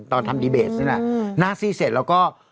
ตอนทำดีเบตนี่แหละหน้าซี่เสร็จแล้วก็